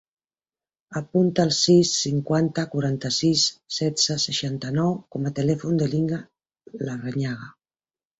Apunta el sis, cinquanta, quaranta-sis, setze, seixanta-nou com a telèfon de l'Ikhlas Larrañaga.